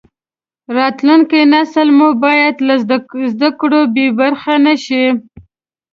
راتلونکی نسل مو باید له زده کړو بې برخې نشي.